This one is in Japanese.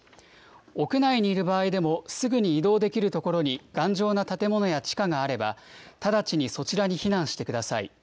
屋内にいる場合でも、すぐに移動できる所に頑丈な建物や地下があれば、直ちにそちらに避難してください。